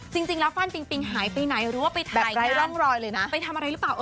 จริงแล้วฟั่นปิงปิงหายไปไหนหรือว่าไปทำอะไรหรือเปล่า